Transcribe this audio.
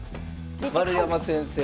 丸山先生。